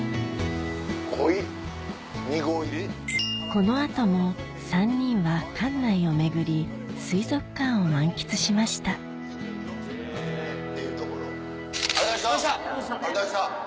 この後も３人は館内を巡りありがとうございましたありがとうございました。